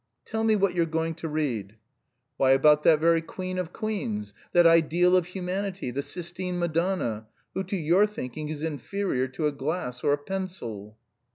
Tell me what you're going to read?" "Why, about that very Queen of Queens, that ideal of humanity, the Sistine Madonna, who to your thinking is inferior to a glass or a pencil."